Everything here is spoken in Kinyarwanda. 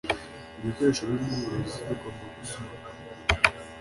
Ibikoresho birimo uburozi bigomba gusohorwa